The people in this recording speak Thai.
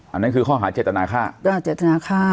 อันนั้นคือข้อหาเจตนาค่ะ